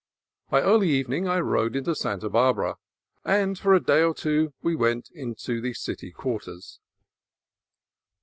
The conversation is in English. By early evening I rode into Santa Barbara, and for a day or two we went into city quarters.